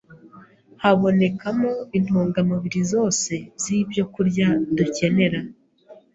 habonekamo intungamubiri zose z’ibyokurya dukenera.